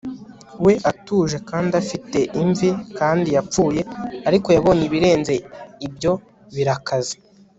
we, atuje kandi afite imvi kandi yapfuye. ariko yabonye ibirenze ibyo birakaze